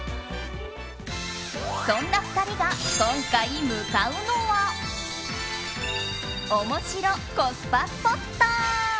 そんな２人が今回向かうのは面白コスパスポット。